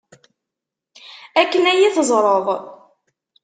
Akken ad iyi-teẓreḍ.